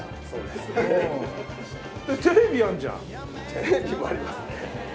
テレビもありますね。